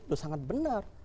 itu sangat benar